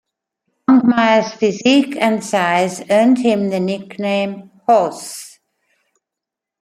Longmire's physique and size earned him the nickname "Horse".